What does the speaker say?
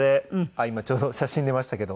今ちょうど写真出ましたけど。